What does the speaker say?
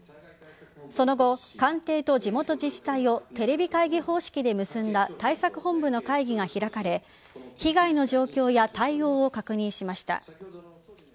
その後、官邸と地元自治体をテレビ会議方式で結んだ対策本部の会議が開かれ被害の状況や対応を確認しました。